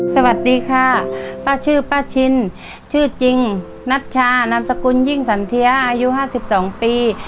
สวัสดีค่ะป้าชื่อป้าชินชื่อจริงนัชชานามสกุลยิ่งสันเทียอายุ๕๒ปี